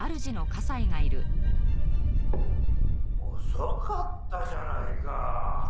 遅かったじゃないか。